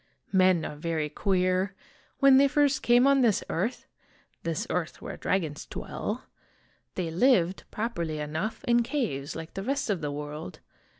Men are very queer. When they first came on this earth, this earth where dragons dwell, they lived, properly enough, in caves like the rest of the world.